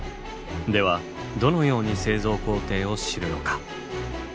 ではどのように製造工程を知るのか？